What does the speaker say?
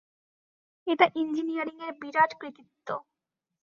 এটা ইঞ্জিনিয়ারিং এর বিরাট কৃতিত্ব।